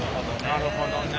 なるほどね。